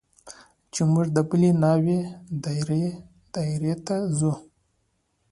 چې موږ د بلې ناوې دايرې ته ځو.